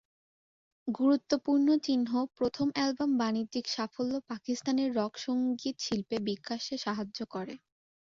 গুরুত্বপূর্ণ চিহ্ন 'প্রথম অ্যালবাম বাণিজ্যিক সাফল্য পাকিস্তানের রক সঙ্গীত শিল্পে বিকাশে সাহায্য করে।